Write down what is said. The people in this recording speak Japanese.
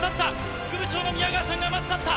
副部長の宮川さんがまず立った。